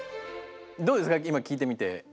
どうですか今聞いてみて。